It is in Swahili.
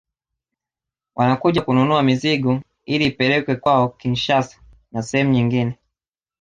Wanakuja kununua mizigo ili ipelekwe kwao Kinshasa na sehemu nyingine